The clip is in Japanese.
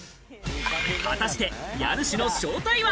果たして家主の正体は？